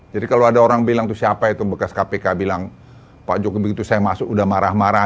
jadi kalau ada orang bilang tuh siapa itu bekas kpk bilang pak jokowi begitu saya masuk udah marah marah